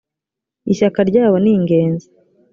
ishyaka ryabo ningenzi.